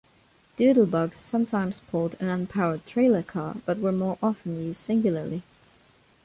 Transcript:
Doodlebugs sometimes pulled an unpowered trailer car, but were more often used singularly.